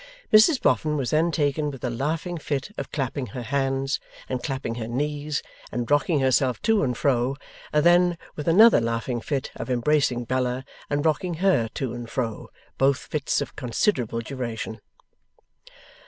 Mrs Boffin was then taken with a laughing fit of clapping her hands, and clapping her knees, and rocking herself to and fro, and then with another laughing fit of embracing Bella, and rocking her to and fro both fits, of considerable duration.